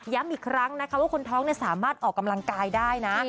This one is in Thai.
อีกครั้งนะคะว่าคนท้องสามารถออกกำลังกายได้นะ